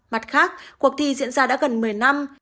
mặt khác cuộc thi diễn ra đã gần một mươi năm